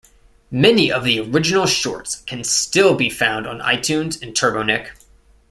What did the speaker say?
Many of the original shorts can still be found on iTunes and TurboNick.